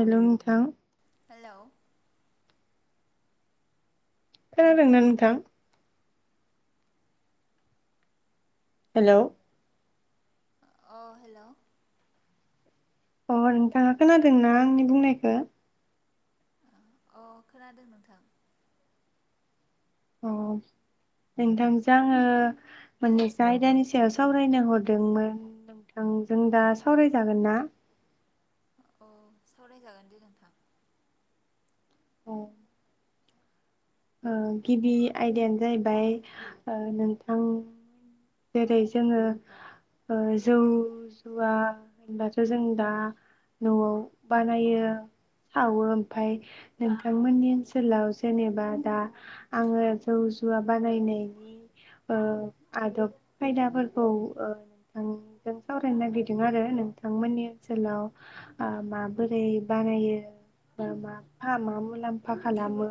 Hello नोंथां hello खोनादोंना नोंथां हेल' अ हेल' अ नोंथाङा खोनादोंना आंनि बुंनायखौ अ खोनादों नोंथां अ नोंथांजों आङो मोननैसो आयदानि सायाव सावरायनो हरदोंमोन नोंथांजों दा सावरायजागोन ना औ सावरायजागोन दे नोंथां औ गिबि आयदायानो जाहैबाय नोंथां जेरै जोङो जौ जुवा होनबाथ' जों दा न'आव बानायो सावो ओमफ्राय नोंथांमोननि ओनसोलाव जेनेबा दा आङो जौ जुवा बानायनायनि आदब खायदाफोरखौ नोंथांजों सावरायनो नागिरदों आरो नोंथांमोननि ओनसोलाव माबोरै बानायो ब माा मा मुलाम्फा खालामो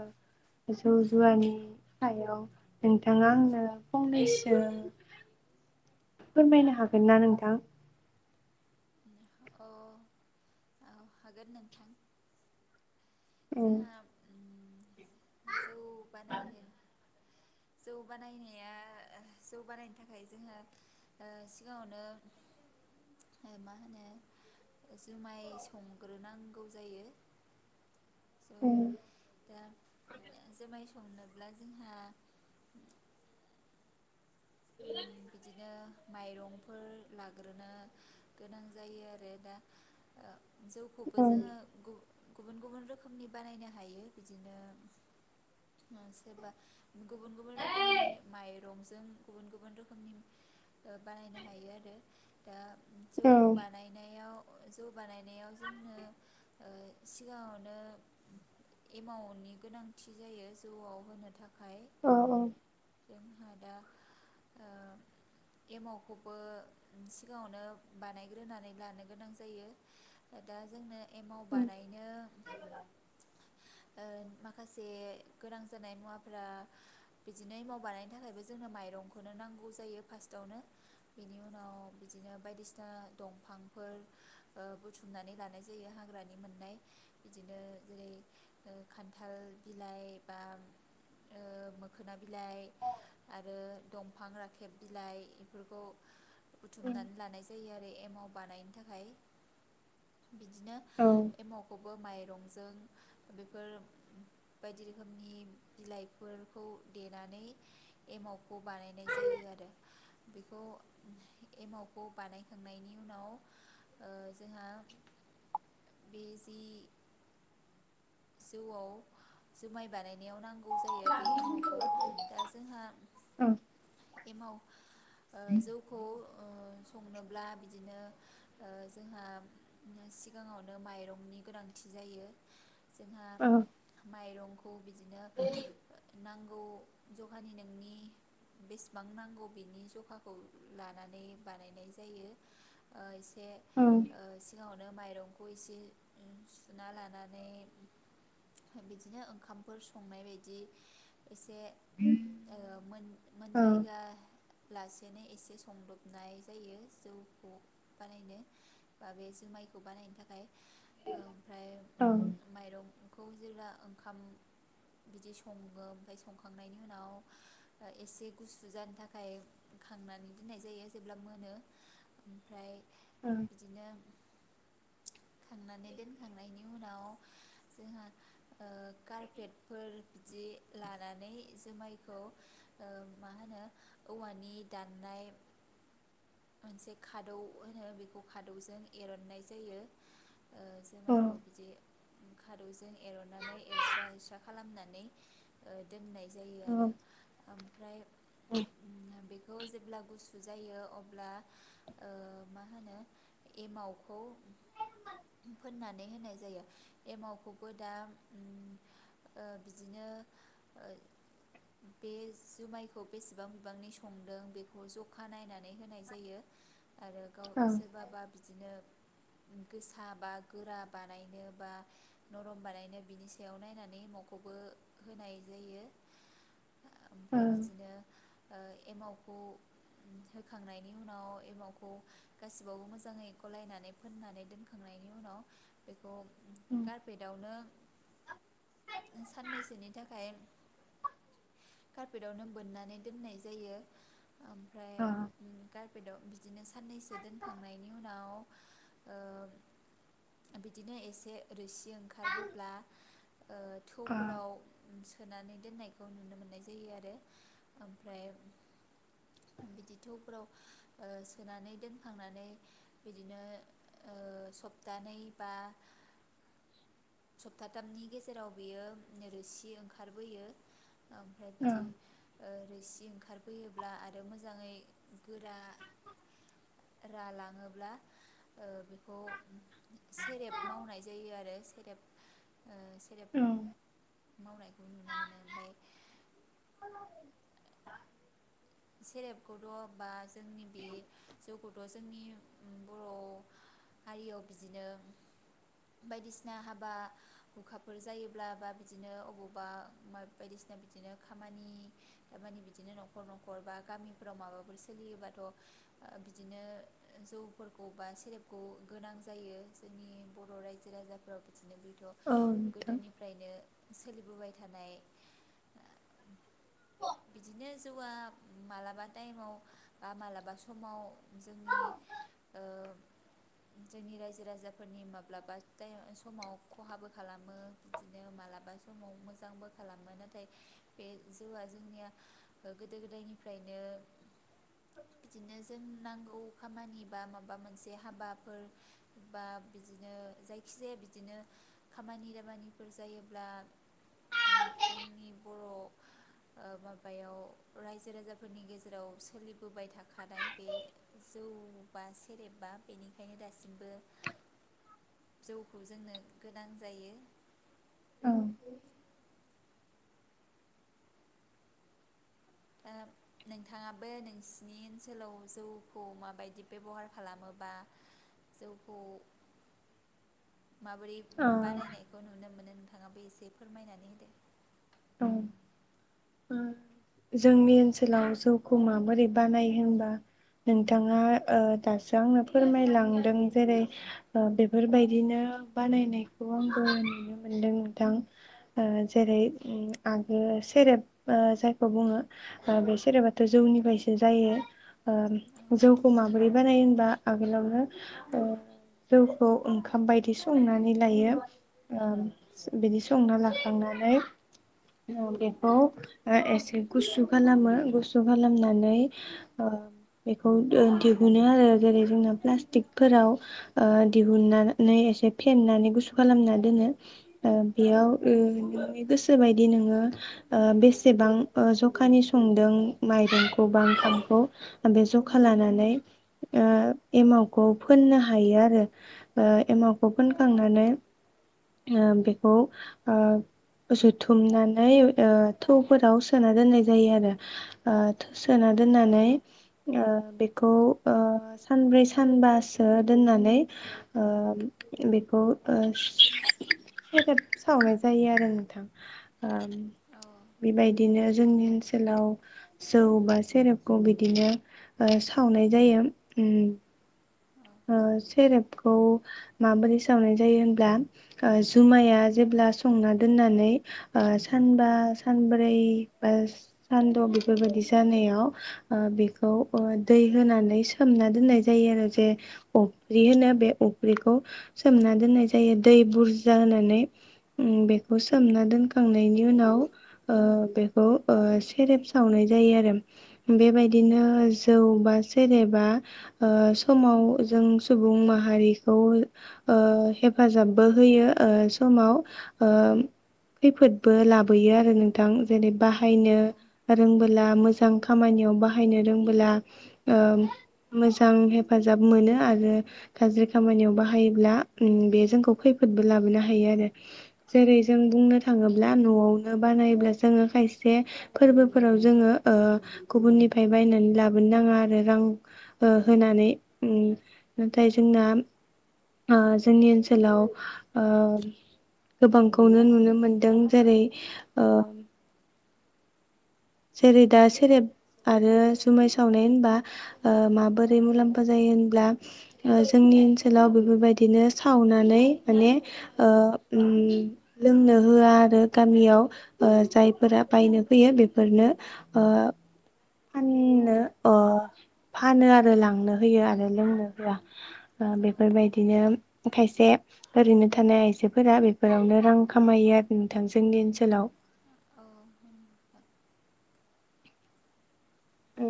जौ जुवानि सायाव नोंथाङा आंनो फंनैसो फोरमायनो हागोन ना नोंथां अ औ हागोन नोंथां औ जोंहा जौ बानायनो जौ बानायनाया जौ बानायनो थाखाय जोंहा सिगाङावनो मा होनो जुमाय संग्रोनांगौ जायो स दा जोमाय होनोब्ला जोंहा [unintelligible] बिदिनो माइरंफोर लाग्रोनो गोनां जायो आरो दा औ जौखौबो जोङो गुबुन गुबुन रोखोम रोखोमनि बानायनो हायो बिदिनो सोरबा गुबुन गुबुन रोखोमनि माइरंजों गुबुन गुबुन रोखोम बानायनो हायो आरो दा औ जौ बानायनायाव जौ बानायनायाव जों ओ सिगाङावनो एमावनि गोनांथि जायो जौआव होनो थाखाय औ औ जोंहा दा एमावखौबो सिगाङावनो बानायग्रोनानै लानो गोनां जायो दा जोंनो एमाव बानायनो माखासे गोनां जानाय मुवाफ्रा बिदिनो एमाव बानायनो थाखायबो जोंनो माइरंखौ नांगौ जायो फार्स्टावनो बिनि उनाव बिदिनो बायदिसिना दंफांफोर बुथुमनानै लानाय जायो हाग्रानि मोननाय बिदिनो जेरै खान्थाल बिलाइ बा मोखोना बिलाइ आरो दंफां राखेब बिलाइ बेफोरखौ औ बुथुमनानै लानाय जायो आरो एमाव बानायनो थाखाय बिदिनो औ एमावखौबो माइरंजों बेफोर बायदि रोखोमनि बिलाइफोरखौ देनानै एमावखौ बानायनाय जायो आरो बेखौ एमावखौ बानायखांनायनि उनाव जोंहा। बे जि जौआव जुमाय बानायनायाव नांगौ जायो बे एमावखौ दा जोंहा औ एमाव जौखौ संनोब्ला बिदिनो जोंहा सिगाङावनो माइरंनि गोनांथि जायो। जोंहा औ माइरंखौ बिदि बिदिनो नांगौ जखानि नोंनि बेसेबां नांगौ बिनि जखाखौ लानानै बानायनाय जायो ओ एसे ओ सिगाङाव नो माइरंखौ इसे सुना लानानै बिदिनो ओंखामफोर संनाय बायदि एसे मोन मोनद्राय होआ लासेनो एसे संदबनाय जायो जौखौ बानायनो बा बे जुमाइखौ बानायनो थाखाय। ओमफ्राय औ माइरं खौ जेब्ला ओंखाम बिदि सङो ओमफ्राय संखांनायनि उनाव एसे गुसु जानो थाखाय खांनानै दोननाय जायो जेब्ला मोनो ओमफ्राय बिदिनो खांनानै दोनखांनायनि उनाव जोंहा कारपेटफोर बिदि लानानै जुमायखौ मा होनो औवानि दाननाय मोनसे खादौ होनो बेखौ खादौजों एर'ननाय जायो जोमाइखौ बिदि खादौजों एर'नानै एरस्रा एरस्रा खालामनानै दोननाय जायो आरो ओमफ्राय बेखौ जेब्ला गुसु जायो अब्ला मा होनो एमावखौ फोननानै होनाय जायो एमावखौबो दा बिदिनो बे जुमायखौ बेसेबां बिबांनि संदों बेखौ जखा नायनानै होनाय जायो आरो गाव सोरबाबा बिदिनो गोसा बा गोरा बानायनो बा नरम बानायनो बिनि सायाव नायनानै एमाखौबो होनाय जायो ओमफ्राय बिदिनो ओ एमावखौ होखांनायनि उनाव एमावखौ गासिबावबो मोजाङै गलायनानै फोननानै दोनखांनायनि उनाव बेखौ कारपेटआवनो साननैसोनि थाखाय कारपेटावनो बोननानै दोननाय जायो ओमफ्राय का बेदं बिदिनो साननैसो दोनखांनायनि उनाव ओ बिदिनो एसे रोसि ओंखारबोब्ला ओ थौफोराव सोनानै दोननाय खौ नुनो मोननाय जायो आरो ओमफ्राय बिदि थौफोराव ओ सोनानै दोनखांनानै बिदिनो ओ सप्तानै बा सप्ताथामनि गेजेराव बियो रोसि ओंखारबोयो ओमफ्राय औ बिदि ओ रोसि सि ओंखारबोैयोब्ला आरो मोजाङै गोरा रा लाङोब्ला बेखौ सेरेब मावनाय जायो आरो सेरेब ओ औ सेरफ मावनायखौ नुनो मोनो ओमफाय सेरेपखौ थ' बा जोंनि बे जौखौ जोंनि बर' हारियाव बिदिनो बायदिसिना हाबा हुखाफोर जायोब्ला बा बिदिनो अबावबा बायदिसिना बिदिनो खामानि दामानि बिदिनो न'' न'खर बा गामिफोराव माबाफोर सोलियोबाथ' ओ बिदिनो जौफोरखौ बा सेरेपखौ गोनां जायो जोंनि बर' रायजो राजाफ्राव बिदिनो बेथ' नोंथां गोदोनिफ्रायनो सोलिबोबाय थानाय ओ बिदिनो जौआ मालाबा टाइमाव मालाबा समाव जोंनि ओ जोंनि रायजो राजाफोरनि माब्लाबा समाव खहाबो खालामो बिदिनो मालाबा समाव मोजांबो खालामो नाथाय बे जौआ जोंनिया गोदो गोदायनि ओमफ्रायनो बिदिनो जों नांगौ खामानि बा माबा मोनसे हाबाफोर बा बिदिनो जायखि जाया बिदिनो खामानि दामानिफोर जायोब्ला जोंनि बर' ओ माबायाव रायजो राजा फोरनि गेजेराव सोलिबोबाय थाखानाय बे जौबा सेरेबा बेनिखायनो दासिमबो जौखौ जोंनो गोनां जायो औ दा नोंथाङाबो नोंसिनि ओनसोलाव जौखौ माबायदि बेबहार खालामोबा जौखौ माबोरै बानायनायखौ नुनो मोनो नोंथाङाबो एसे फोरमायनानै होदो औ जोंनि ओनसोलाव जौखौ माबोरै बानायो होनबा नोंथाङा दासो आंनो फोरमायलांदों जेरै ओ बेफोरबायदिनो बानायनायखौ आंबो नुनो मोनदों नोंथां ओ जेरै ओ आगोल सेरेब ओ जायखौ बुङो बे सेरेबाथ' जौनिफ्रायसो जायो ओ जौखौ माबोरै बानायो होनबा आगोलावनो ओ जौखौ ओंखाम बायदि संनानै लायो ओ बिदि संना लाखांनानै बेखौ एसे गुसु खालामो गुसु खालामनानै ओ बेखौ दिहुनो आरो जेरै जोंना प्लास्टिकफोराव ओ दिहुननानै एसे फेननानै गुसु खालामना दोनो बेयाव गोसोबायदि नोङो ओ बेसेबां ओ जखानि संदों माइरंखौ बा ओंखामखौ बे जखा लानानै ओ एमावखौ फोननो हायो आरो ओ एमावखौ फोनखांनानै ओ बेखौ ओ जुथुमनानै ओ थौफोराव सोना दोननाय जायो आरो ओ थौ सोना दोननानै ओ बेखौ ओ सानब्रै सानबासो दोननानै ओ बेखौ ओ सेरेब सावनाय जायो आरो थां ओ बेबायदिनो जोंनि ओनसोलाव जौ बा सेरेपखौ बिदिनो सावनाय जायो उम ओ सेरेपखौ माबोरै सावनाय जायो होनब्ला जुमाया जेब्ला संना दोननानै ओ सानबा सानब्रै बा सानद' बेफोरबायाददि जानायाव ओ बेखौ ओ दै होनानै सोमना दोननाय जायो आरो जे अफ्रि होनो बे अफ्रिखौ सोमना दोननाय जायो दै बुरजा होनानै उम बेखौ सोमना दोनखांनायनि उनाव ओ बेखौ ओ सेरेब सावनाय जायो आरो बेबायदिनो जौ बा सेरेबा ओ समाव जों सुबुं माहारिखौ ओ हेफाजाबबो होयो समाव ओ खैफोदबो लाबोयो आरो नोंथां जेनेबा बाहायनो औ रोंबा [unintelligible] मोजां हेफाजाब मोनो आरो गाज्रि खामानियाव बाहायोब्ला बे जोंखौ खैफोदबो लाबोनो हायो आरो जेरै जों बुंनो थाङोब्ला न'आवनो बानायब्ला जोङो खायसे फोरबोफोराव जोङो गुबुननिफ्राय बायनानै लाबोनो नाङा आरो रां होनानै उम नाथाय जोंना जोंनि ओनसोलाव गोबांखौनो नुनो मोनदों जेरै जेरै दा सेरेब आरो जुमाय सावनाय होनबा माबोरै मुलाम्फा जायो होनब्ला जोंनि ओनसोलाव बेफोरबायदिनो सावनानै माने लोंनो होआ आरो गामियाव जायफोरा बायनो फैयो बे फोरनो ओ फाननो अ फानो आरो लांनो होयो आरो लोंनो होआ ओ औ बेफोरबायदिनो खायसे ओरैनो थानाय आइजोफोरा बेफोरावनो रां खामायो आरो नोंथां जोंनि ओनसोलाव औ औ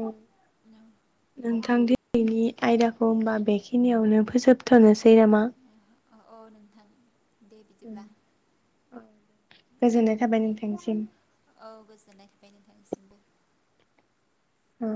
नोंथां बेनि बिदि आयदाखौ होमबा बेखिनियावनो फोजोबथ'नोसै नामा औ नोंथां दे बिदिब्ला औ गोजोननाय थाबाय दे नोंथांसिम औ गोजोननाय थाबाय नोंथांसिमबो औ